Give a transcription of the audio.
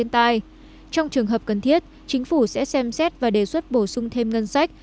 trong trường hợp cần thiết chính phủ sẽ xem xét và đề xuất bổ sung thêm ngân sách